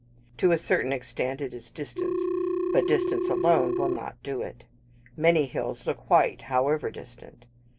To a certain extent it is distance; but distance alone will not do it. Many hills look white, however distant.